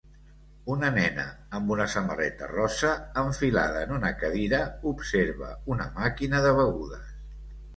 Una nena amb una samarreta rosa enfilada en una cadira observa una màquina de begudes.